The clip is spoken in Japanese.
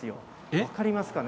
分かりますかね。